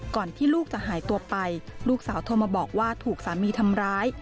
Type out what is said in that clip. ที่ลูกจะหายตัวไปลูกสาวโทรมาบอกว่าถูกสามีทำร้าย